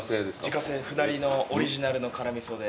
自家製歩成のオリジナルの辛味噌で。